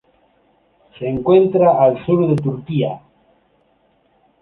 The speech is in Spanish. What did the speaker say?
Se encuentra al sur de Turquía.